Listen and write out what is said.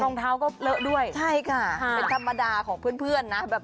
รองเท้าก็เลอะด้วยใช่ค่ะเป็นธรรมดาของเพื่อนนะ